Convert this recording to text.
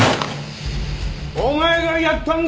お前がやったんだろ！